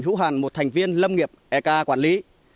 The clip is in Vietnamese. yếu hạn một thành viên lâm nghiệp ek quản lý